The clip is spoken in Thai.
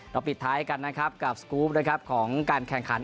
ปิดท้ายกันนะครับกับสกรูปนะครับของการแข่งขัน